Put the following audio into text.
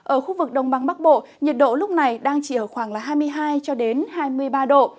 ở khu vực đông băng bắc bộ nhiệt độ lúc này đang chỉ ở khoảng hai mươi hai hai mươi ba độ